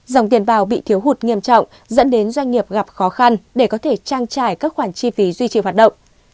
dòng tiền bào bị thiếu hụt nghiêm trọng dẫn đến doanh nghiệp gặp khó khăn để có thể trang trải các khoản chi phí duy trì hoạt động